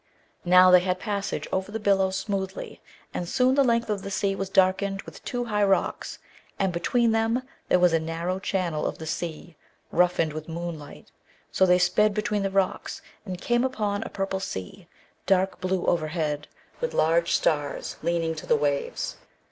Now, they had passage over the billows smoothly, and soon the length of the sea was darkened with two high rocks, and between them there was a narrow channel of the sea, roughened with moonlight. So they sped between the rocks, and came upon a purple sea, dark blue overhead, with large stars leaning to the waves.